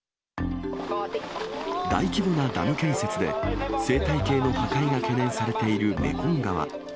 大規模なダム建設で、生態系の破壊が懸念されているメコン川。